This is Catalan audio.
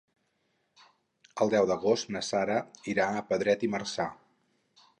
El deu d'agost na Sara irà a Pedret i Marzà.